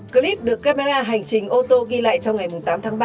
clip được camera hành trình ô tô ghi lại trong ngày tám tháng ba